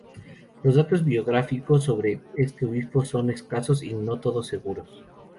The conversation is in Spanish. Los datos biográficos sobre este obispo son escasos y no todos seguros.